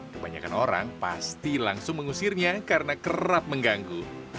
kebanyakan orang pasti langsung mengusirnya karena kerap mengganggu